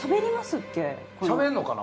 しゃべるのかな？